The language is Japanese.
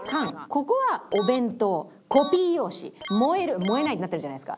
ここは「お弁当」「コピー用紙」「燃える」「燃えない」になってるじゃないですか。